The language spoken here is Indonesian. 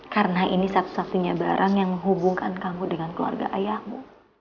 karena ini satu satunya barang yang menghubungkan kamu dengan keluarga ayahmu